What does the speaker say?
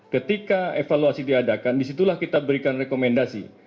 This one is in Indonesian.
ketika evaluasi diadakan disitulah kita berikan rekomendasi